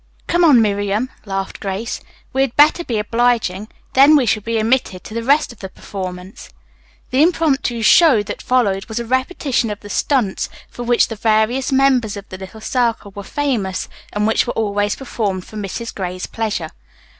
"Come on, Miriam," laughed Grace. "We had better be obliging. Then we shall be admitted to the rest of the performance." The impromptu "show" that followed was a repetition of the "stunts" for which the various members of the little circle were famous and which were always performed for Mrs. Gray's pleasure.